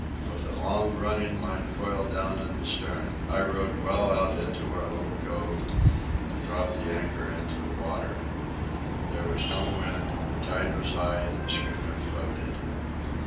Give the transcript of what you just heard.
With a long running line coiled down in the stem, I rowed well out into our little cove and dropped the anchor into the water. There was no wind, the tide was high, and the schooner floated.